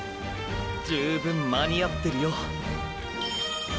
十分間に合ってるよ。！